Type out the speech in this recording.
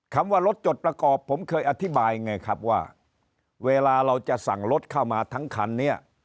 คำว่ารถจดประกอบผมเคยอธิบายไงครับว่าเวลาเราจะสั่งรถเข้ามาทั้งคันเนี่ย